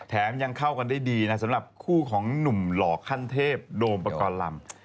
ยังเข้ากันได้ดีนะสำหรับคู่ของหนุ่มหล่อขั้นเทพโดมปกรณ์ลำ